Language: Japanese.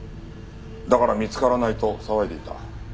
だから「見つからない」と騒いでいた。